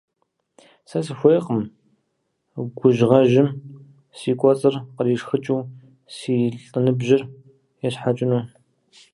Сэ сыхуейкъым гужьгъэжьым си кӀуэцӀыр къришхыкӀыу си лӀыныбжьыр есхьэкӀыну.